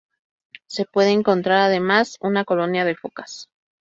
Se puede encontrar además una colonia de focas.